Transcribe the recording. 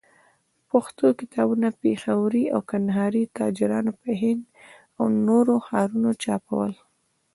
پښتو کتابونه، پېښوري او کندهاري تاجرانو په هند او نورو ښارو چاپول.